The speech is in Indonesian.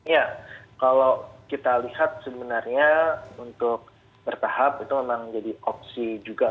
ya kalau kita lihat sebenarnya untuk bertahap itu memang jadi opsi juga